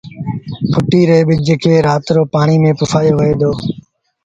ڦٽيٚ ري ٻج کي رآت رو پآڻيٚ ميݩ پُسآيو وهي دو